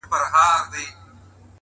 د تجربې درس تر نصیحت ژور وي؛